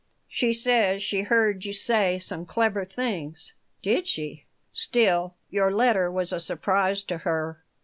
She says she heard you say some clever things." "Did she?" "Still, your letter was a surprise to her.